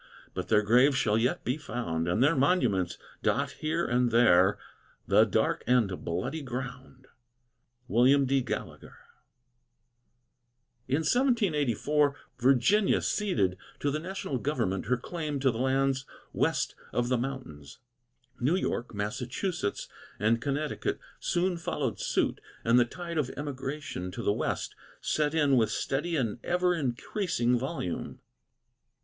But their graves shall yet be found, And their monuments dot here and there "The Dark and Bloody Ground." WILLIAM D. GALLAGHER. In 1784 Virginia ceded to the national government her claim to the lands west of the mountains. New York, Massachusetts, and Connecticut soon followed suit, and the tide of emigration to the West set in with steady and ever increasing volume.